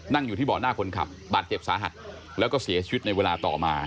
อยู่ที่เบาะหน้าคนขับบาดเจ็บสาหัสแล้วก็เสียชีวิตในเวลาต่อมา